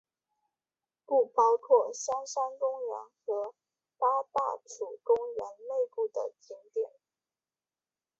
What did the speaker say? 不包括香山公园和八大处公园内部的景点。